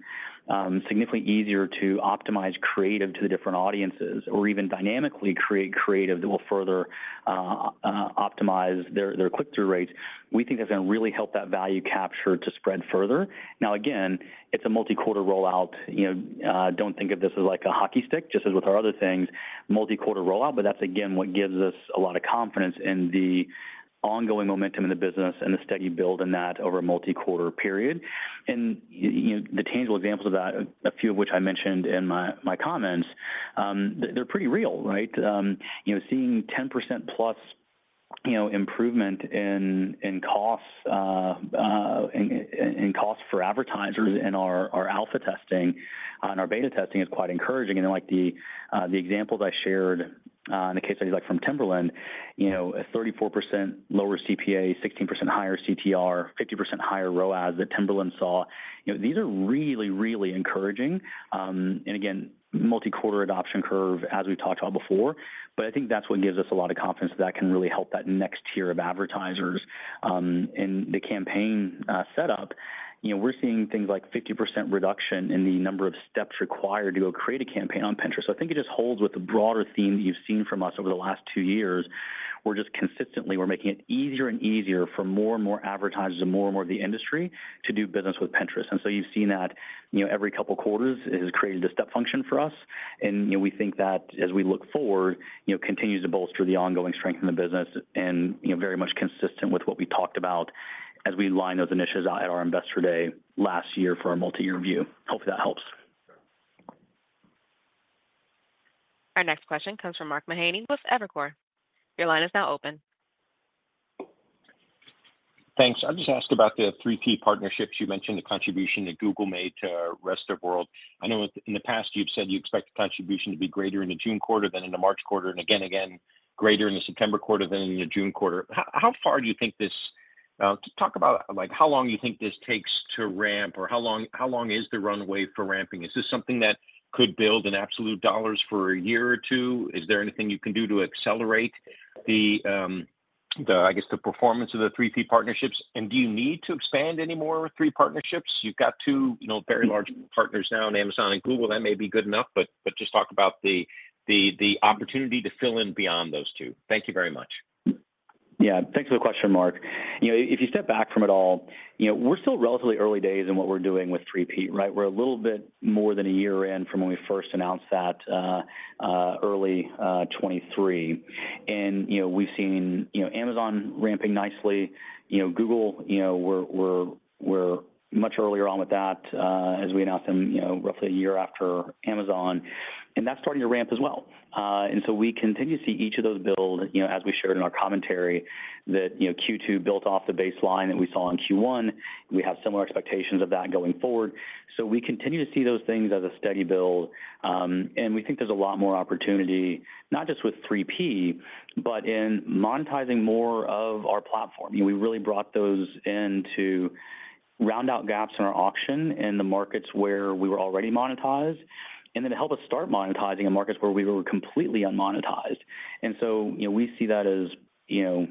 Speaker 3: significantly easier to optimize creative to the different audiences or even dynamically create creative that will further optimize their click-through rates. We think that's going to really help that value capture to spread further. Now, again, it's a multi-quarter rollout. You know, don't think of this as like a hockey stick, just as with our other things, multi-quarter rollout, but that's, again, what gives us a lot of confidence in the ongoing momentum in the business and the steady build in that over a multi-quarter period. And you know, the tangible examples of that, a few of which I mentioned in my comments, they're pretty real, right? You know, seeing 10%+ improvement in costs for advertisers in our alpha testing and our beta testing is quite encouraging. And then, like, the examples I shared in the case studies, like from Timberland, you know, a 34% lower CPA, 16% higher CTR, 50% higher ROAS that Timberland saw. You know, these are really, really encouraging, and again, multi-quarter adoption curve as we've talked about before. But I think that's what gives us a lot of confidence that can really help that next tier of advertisers in the campaign setup. You know, we're seeing things like 50% reduction in the number of steps required to go create a campaign on Pinterest. So I think it just holds with the broader theme that you've seen from us over the last two years. We're just consistently, we're making it easier and easier for more and more advertisers and more and more of the industry to do business with Pinterest. And so you've seen that, you know, every couple of quarters, it has created a step function for us. You know, we think that as we look forward, you know, continues to bolster the ongoing strength in the business and, you know, very much consistent with what we talked about as we lined those initiatives at our Investor Day last year for our multi-year view. Hopefully, that helps.
Speaker 1: Our next question comes from Mark Mahaney with Evercore. Your line is now open.
Speaker 9: Thanks. I'll just ask about the 3P partnerships. You mentioned the contribution that Google made to rest of world. I know in the past you've said you expect the contribution to be greater in the June quarter than in the March quarter, and again, greater in the September quarter than in the June quarter. How far do you think this... talk about, like, how long you think this takes to ramp, or how long is the runway for ramping? Is this something that could build in absolute dollars for a year or two? Is there anything you can do to accelerate the, the, I guess, the performance of the 3P partnerships? And do you need to expand any more 3P partnerships? You've got two, you know, very large partners now in Amazon and Google. That may be good enough, but just talk about the opportunity to fill in beyond those two. Thank you very much.
Speaker 3: Yeah. Thanks for the question, Mark. You know, if you step back from it all, you know, we're still relatively early days in what we're doing with 3P, right? We're a little bit more than a year in from when we first announced that, early 2023. And, you know, we've seen, you know, Amazon ramping nicely. You know, Google, you know, we're, we're, we're much earlier on with that, as we announced them, you know, roughly a year after Amazon, and that's starting to ramp as well. And so we continue to see each of those build, you know, as we shared in our commentary, that, you know, Q2 built off the baseline that we saw in Q1. We have similar expectations of that going forward. So we continue to see those things as a steady build, and we think there's a lot more opportunity, not just with 3P, but in monetizing more of our platform. You know, we really brought those in to round out gaps in our auction in the markets where we were already monetized, and then to help us start monetizing in markets where we were completely unmonetized. And so, you know,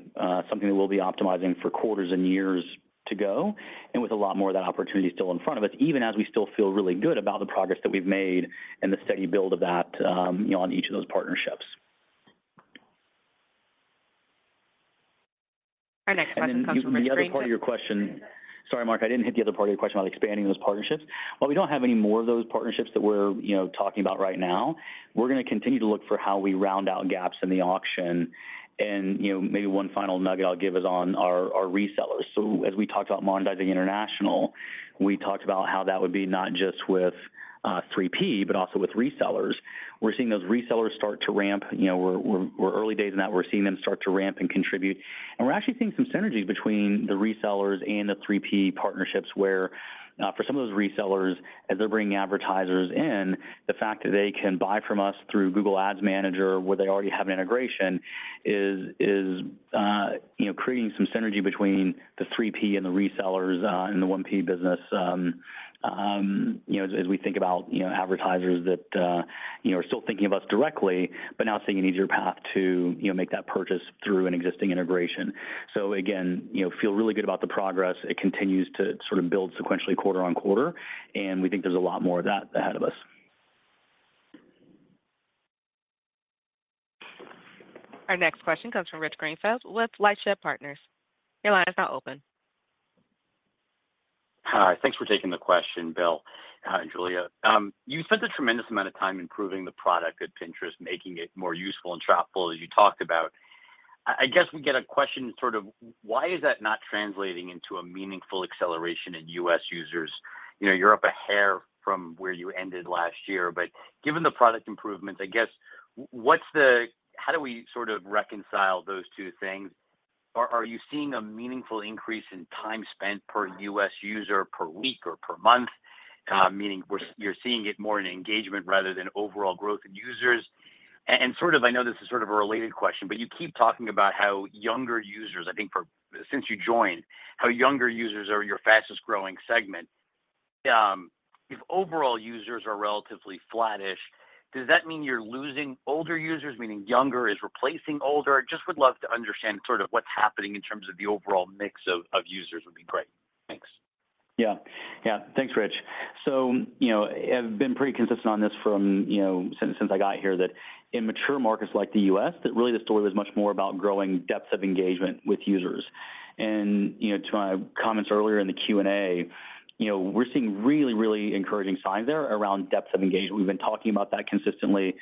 Speaker 3: something we'll be optimizing for quarters and years to go and with a lot more of that opportunity still in front of us, even as we still feel really good about the progress that we've made and the steady build of that, you know, on each of those partnerships.
Speaker 1: Our next question comes from-
Speaker 3: The other part of your question... Sorry, Mark, I didn't hit the other part of your question about expanding those partnerships. While we don't have any more of those partnerships that we're, you know, talking about right now, we're going to continue to look for how we round out gaps in the auction. And, you know, maybe one final nugget I'll give is on our resellers. So as we talked about monetizing international, we talked about how that would be not just with 3P, but also with resellers. We're seeing those resellers start to ramp. You know, we're early days in that. We're seeing them start to ramp and contribute, and we're actually seeing some synergies between the resellers and the 3P partnerships, where, for some of those resellers, as they're bringing advertisers in, the fact that they can buy from us through Google Ads Manager, where they already have an integration, is, you know, creating some synergy between the 3P and the resellers, and the 1P business. You know, as we think about, you know, advertisers that, you know, are still thinking of us directly, but now seeing an easier path to, you know, make that purchase through an existing integration. So again, you know, feel really good about the progress. It continues to sort of build sequentially quarter-on-quarter, and we think there's a lot more of that ahead of us.
Speaker 1: Our next question comes from Rich Greenfield with LightShed Partners. Your line is now open.
Speaker 10: Hi, thanks for taking the question, Bill, and Julia. You spent a tremendous amount of time improving the product at Pinterest, making it more useful and shoppable, as you talked about. I guess we get a question, sort of, why is that not translating into a meaningful acceleration in US users? You know, you're up a hair from where you ended last year, but given the product improvements, I guess, what's the, how do we sort of reconcile those two things? Are you seeing a meaningful increase in time spent per US user per week or per month? Meaning, you're seeing it more in engagement rather than overall growth in users. And, sort of, I know this is sort of a related question, but you keep talking about how younger users, I think for... since you joined, how younger users are your fastest growing segment. If overall users are relatively flattish, does that mean you're losing older users, meaning younger is replacing older? I just would love to understand sort of what's happening in terms of the overall mix of users would be great. Thanks.
Speaker 3: Yeah. Yeah. Thanks, Rich. So, you know, I've been pretty consistent on this from, you know, since I got here, that in mature markets like the U.S., that really the story was much more about growing depth of engagement with users. And, you know, to my comments earlier in the Q&A, you know, we're seeing really, really encouraging signs there around depth of engagement. We've been talking about that consistently.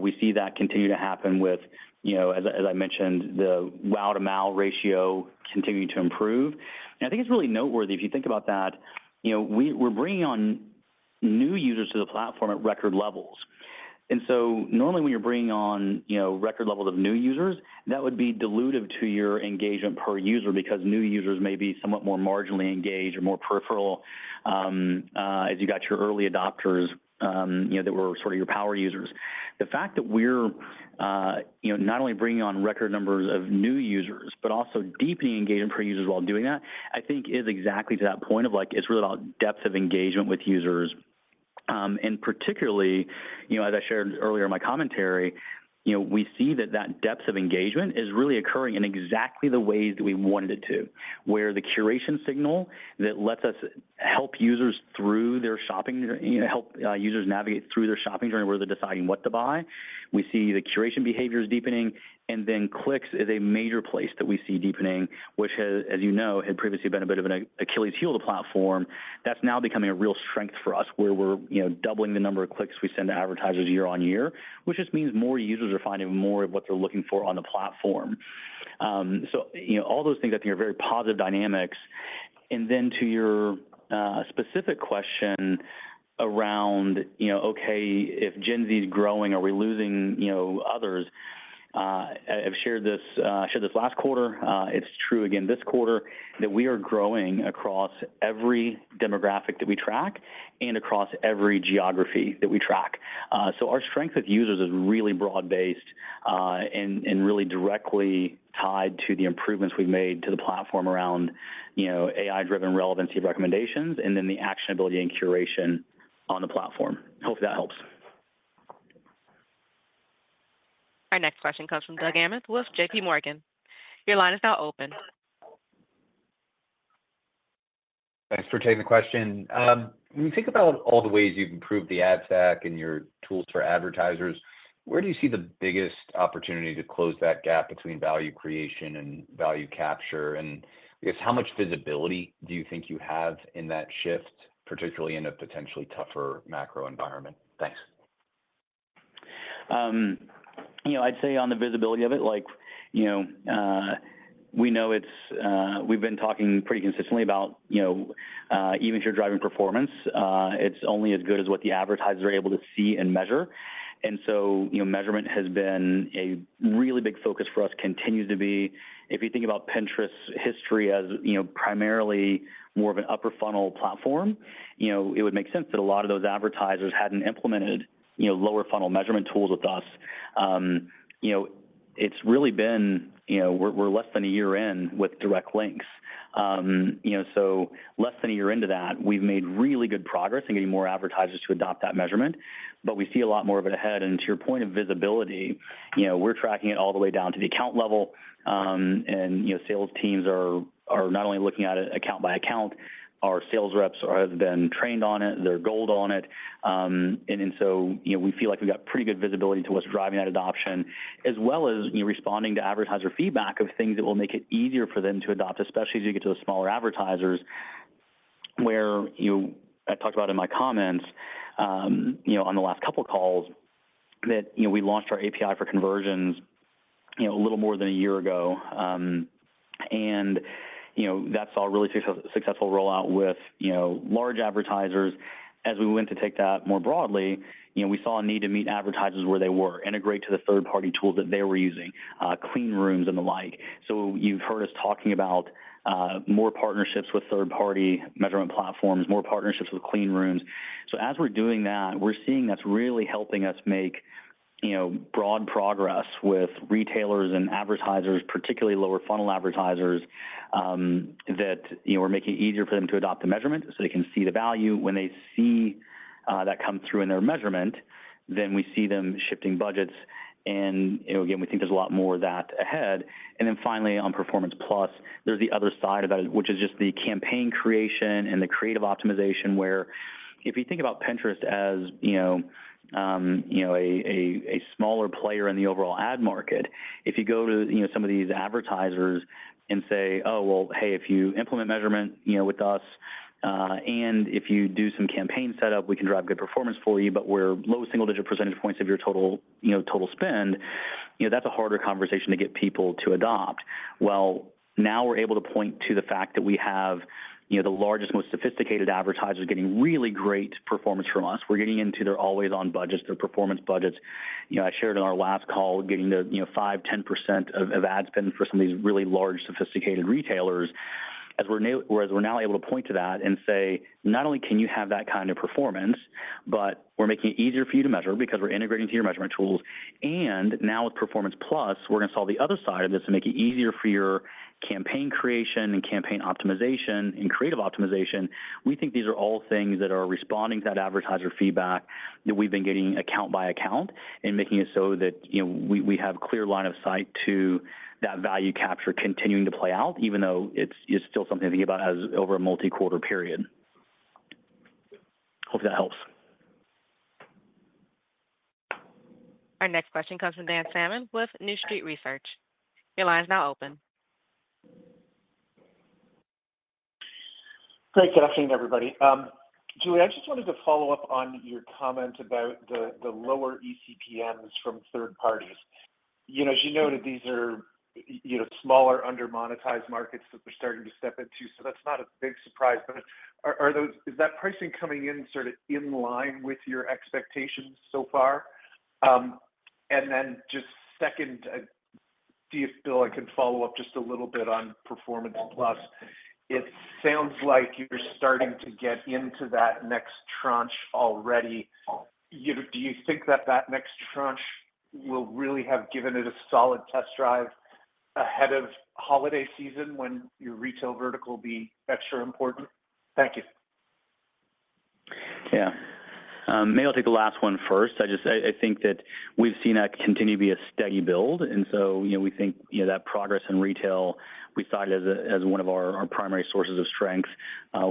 Speaker 3: We see that continue to happen with, you know, as I mentioned, the WAU to MAU ratio continuing to improve. And I think it's really noteworthy, if you think about that, you know, we're bringing on new users to the platform at record levels. And so normally, when you're bringing on, you know, record levels of new users, that would be dilutive to your engagement per user because new users may be somewhat more marginally engaged or more peripheral, as you got your early adopters, you know, that were sort of your power users. The fact that we're, you know, not only bringing on record numbers of new users but also deepening engagement per users while doing that, I think is exactly to that point of, like, it's really about depth of engagement with users. And particularly, you know, as I shared earlier in my commentary, you know, we see that that depth of engagement is really occurring in exactly the ways that we wanted it to, where the curation signal that lets us help users through their shopping, you know, help users navigate through their shopping journey, where they're deciding what to buy. We see the curation behaviors deepening, and then clicks is a major place that we see deepening, which has, as you know, had previously been a bit of an Achilles heel to the platform. That's now becoming a real strength for us, where we're, you know, doubling the number of clicks we send to advertisers year on year, which just means more users are finding more of what they're looking for on the platform. So, you know, all those things, I think, are very positive dynamics. Then to your specific question around, you know, okay, if Gen Z is growing, are we losing, you know, others? I've shared this, shared this last quarter, it's true again this quarter, that we are growing across every demographic that we track and across every geography that we track. So our strength of users is really broad-based, and, and really directly tied to the improvements we've made to the platform around, you know, AI-driven relevancy of recommendations and then the actionability and curation on the platform. Hopefully, that helps.
Speaker 1: Our next question comes from Doug Anmuth with JP Morgan. Your line is now open.
Speaker 11: Thanks for taking the question. When you think about all the ways you've improved the ad stack and your tools for advertisers, where do you see the biggest opportunity to close that gap between value creation and value capture? And I guess, how much visibility do you think you have in that shift, particularly in a potentially tougher macro environment? Thanks.
Speaker 3: You know, I'd say on the visibility of it, like, you know, we know it's... We've been talking pretty consistently about, you know, even if you're driving performance, it's only as good as what the advertisers are able to see and measure. And so, you know, measurement has been a really big focus for us, continues to be. If you think about Pinterest's history as, you know, primarily more of an upper funnel platform, you know, it would make sense that a lot of those advertisers hadn't implemented, you know, lower funnel measurement tools with us. You know, it's really been, you know, we're, we're less than a year in with Direct Links. you know, so less than a year into that, we've made really good progress in getting more advertisers to adopt that measurement, but we see a lot more of it ahead. To your point of visibility, you know, we're tracking it all the way down to the account level. And, you know, sales teams are not only looking at it account by account, our sales reps have been trained on it, they're gold on it. So, you know, we feel like we got pretty good visibility into what's driving that adoption, as well as, you know, responding to advertiser feedback of things that will make it easier for them to adopt, especially as you get to the smaller advertisers, where I talked about in my comments, you know, on the last couple of calls, that, you know, we launched our API for conversions, you know, a little more than a year ago. And, you know, that saw a really successful rollout with, you know, large advertisers. As we went to take that more broadly, you know, we saw a need to meet advertisers where they were, integrate to the third-party tools that they were using, Clean Rooms and the like. So you've heard us talking about more partnerships with third-party measurement platforms, more partnerships with Clean Rooms. So as we're doing that, we're seeing that's really helping us make, you know, broad progress with retailers and advertisers, particularly lower funnel advertisers, that, you know, we're making it easier for them to adopt the measurement so they can see the value. When they see that come through in their measurement, then we see them shifting budgets, and, you know, again, we think there's a lot more of that ahead. And then finally, on Performance+, there's the other side about it, which is just the campaign creation and the creative optimization, where if you think about Pinterest as, you know, you know, a smaller player in the overall ad market, if you go to, you know, some of these advertisers and say, "Oh, well, hey, if you implement measurement, you know, with us, and if you do some campaign setup, we can drive good performance for you, but we're low single-digit percentage points of your total, you know, total spend." You know, that's a harder conversation to get people to adopt. Well, now we're able to point to the fact that we have, you know, the largest, most sophisticated advertisers getting really great performance from us. We're getting into their always-on budgets, their performance budgets. You know, I shared in our last call, getting the, you know, 5%-10% of ad spend for some of these really large, sophisticated retailers. Whereas we're now able to point to that and say, "Not only can you have that kind of performance... but we're making it easier for you to measure because we're integrating to your measurement tools. And now with Performance+, we're gonna solve the other side of this and make it easier for your campaign creation and campaign optimization and creative optimization. We think these are all things that are responding to that advertiser feedback that we've been getting account by account, and making it so that, you know, we, we have clear line of sight to that value capture continuing to play out, even though it's, it's still something to think about as over a multi-quarter period. Hope that helps.
Speaker 1: Our next question comes from Dan Salmon with New Street Research. Your line is now open.
Speaker 12: Great. Good afternoon, everybody. Julia, I just wanted to follow up on your comment about the lower eCPMs from third parties. You know, as you noted, these are, you know, smaller, under-monetized markets that we're starting to step into, so that's not a big surprise. But are those- is that pricing coming in sort of in line with your expectations so far? And then just second, see if, Bill, I can follow up just a little bit on Performance+. It sounds like you're starting to get into that next tranche already. You know, do you think that that next tranche will really have given it a solid test drive ahead of holiday season, when your retail vertical will be extra important? Thank you.
Speaker 3: Yeah. Maybe I'll take the last one first. I just I think that we've seen that continue to be a steady build, and so, you know, we think, you know, that progress in retail, we saw it as one of our primary sources of strength.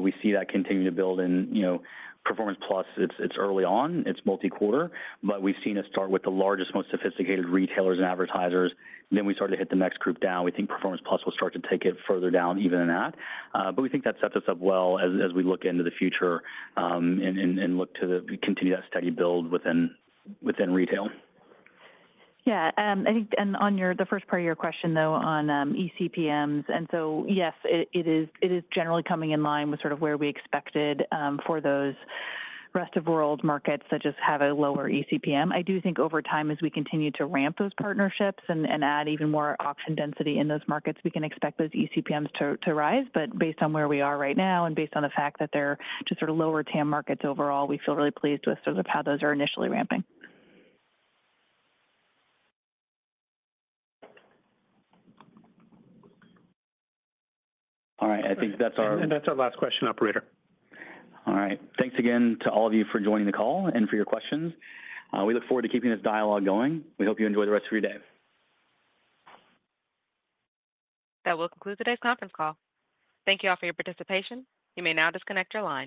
Speaker 3: We see that continuing to build. And, you know, Performance+, it's early on, it's multi-quarter, but we've seen it start with the largest, most sophisticated retailers and advertisers, then we started to hit the next group down. We think Performance+ will start to take it further down even than that. But we think that sets us up well as we look into the future, and look to continue that steady build within retail.
Speaker 4: Yeah. I think, and on your—the first part of your question, though, on eCPMs, and so yes, it, it is, it is generally coming in line with sort of where we expected for those Rest of World markets that just have a lower eCPM. I do think over time, as we continue to ramp those partnerships and, and add even more auction density in those markets, we can expect those eCPMs to rise. But based on where we are right now and based on the fact that they're just sort of lower TAM markets overall, we feel really pleased with sort of how those are initially ramping.
Speaker 3: All right. I think that's our-
Speaker 2: That's our last question, operator.
Speaker 3: All right. Thanks again to all of you for joining the call and for your questions. We look forward to keeping this dialogue going. We hope you enjoy the rest of your day.
Speaker 1: That will conclude today's conference call. Thank you all for your participation. You may now disconnect your line.